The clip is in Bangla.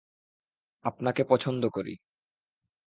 আপনাকে পছন্দ করি।